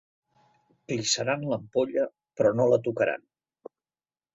Clissaran l'ampolla però no la tocaran.